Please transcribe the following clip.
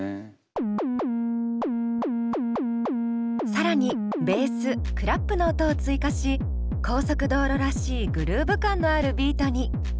更にベースクラップの音を追加し高速道路らしいグルーヴ感のあるビートに。